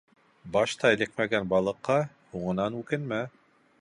Башта эләкмәгән балыҡҡа һуңынан үкенмә.